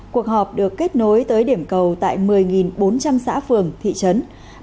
cuộc họp được kết nối tới điểm cầu tại một mươi bốn trăm linh xã phường thị trấn